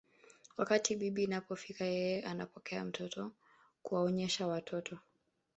Wakati bibi inapofika yeye anapokea mtoto kuwaonyesha watoto